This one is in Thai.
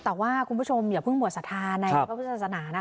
แต่ว่าคุณผู้ชมอย่าเพิ่งหมดศรัทธาในพระพุทธศาสนานะคะ